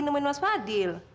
nemuin mas fadil